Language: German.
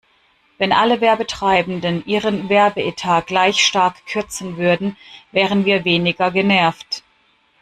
Wenn alle Werbetreibenden ihren Werbeetat gleich stark kürzen würden, wären wir weniger genervt.